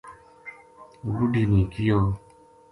بُڈھی نے کہیو